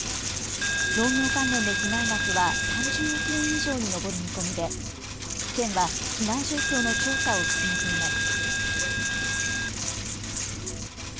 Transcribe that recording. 農業関連の被害額は３００億円以上に上る見込みで県は被害状況の調査を進めています。